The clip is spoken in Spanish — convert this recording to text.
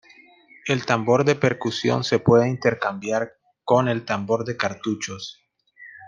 El tambor de percusión se puede intercambiar con el tambor de cartuchos.